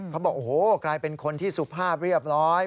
เขาบอกโอ้โหกลายเป็นคนที่สุภาพเรียบร้อย